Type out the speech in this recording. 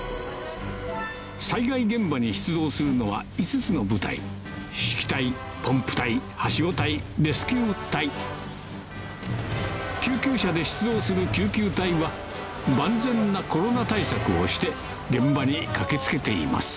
災害現場に出動するのは５つの部隊救急車で出動する救急隊は万全なコロナ対策をして現場に駆け付けています